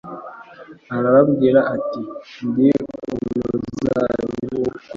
Arababwira ati: "Ndi umuzabibu w'ukuri."